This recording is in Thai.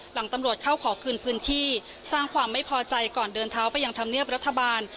หลังตำรวจเข้าขอคืนพื้นที่สร้างความไม่พอใจก่อนเดินเท้าไปยังธรรมเนียบรัฐบาล